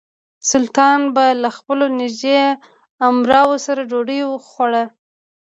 سلطان به له خپلو نژدې امراوو سره ډوډۍ خوړه.